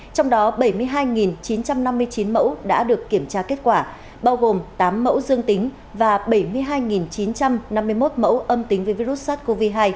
trong đó bảy mươi hai chín trăm năm mươi chín mẫu đã được kiểm tra kết quả bao gồm tám mẫu dương tính và bảy mươi hai chín trăm năm mươi một mẫu âm tính với virus sars cov hai